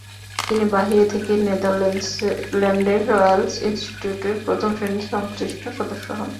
তিনি বাহিরে থেকেই নেদারল্যান্ডসের রয়েল ইনস্টিটিউটের প্রথম শ্রেণীর সংশ্লিষ্ট সদস্য হন।